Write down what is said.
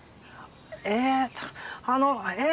えっとあのえっ？